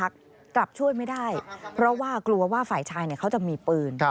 กลับช่วยไม่ได้เพราะว่ากลัวว่าฝ่ายชายเขาจะมีปืน